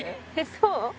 そう？